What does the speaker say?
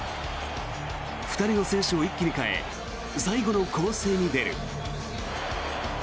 ２人の選手を一気に代え最後の攻勢に出る。